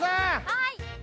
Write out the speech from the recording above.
はい。